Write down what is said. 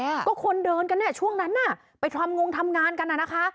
คนเดินคุณค่ะก็คนเดินกันเนี่ยช่วงนั้นไปทำงงทำงานกันน่ะนะคะ